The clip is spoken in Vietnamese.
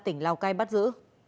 tỉnh lào cai bắt giữ